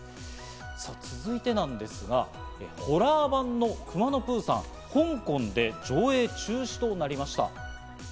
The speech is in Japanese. さぁ続いてなんですが、ホラー版の『くまのプーさん』、香港で上映中止となりました。